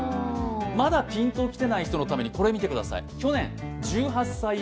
まだピンときてない人のために、これ、見てください。